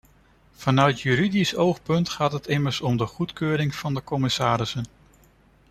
Vanuit juridisch oogpunt gaat het immers om de goedkeuring van de commissarissen.